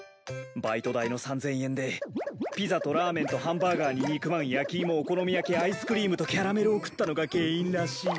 バイト代の３，０００円でピザとラーメンとハンバーガーに肉まん焼きいもお好み焼きアイスクリームとキャラメルを食ったのが原因らしい。